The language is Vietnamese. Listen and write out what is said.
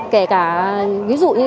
kể cả ví dụ như